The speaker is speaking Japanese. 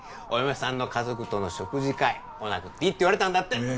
お嫁さんの家族との食事会来なくていいって言われたんだって